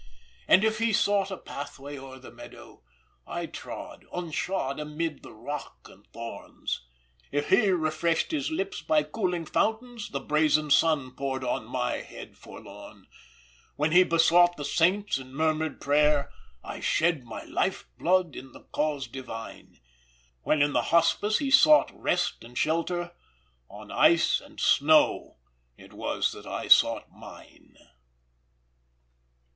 And if he sought a pathway o'er the meadow, I trod, unshod, amid the rock and thorns. If he refreshed his lips by cooling fountains, The brazen sun poured on my head forlorn, When he besought the saints in murmur'd prayer, I shed my life blood in the cause divine; When in the hospice he sought rest and shelter, On ice and snow it was that I sought mine!"